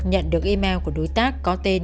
nhận được email của đối tác có tên